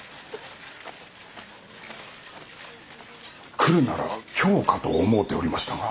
来るなら今日かと思うておりましたが。